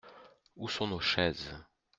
Où sont nos chaises ?